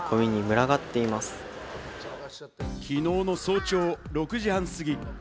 昨日の早朝６時半すぎ。